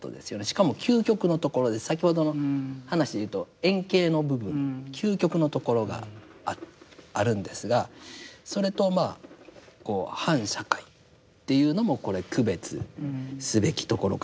しかも究極のところで先ほどの話で言うと遠景の部分究極のところがあるんですがそれとまあこう反社会っていうのもこれ区別すべきところかなというふうに思います。